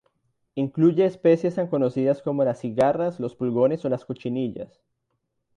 Incluye especies tan conocidas como las cigarras, los pulgones o las cochinillas.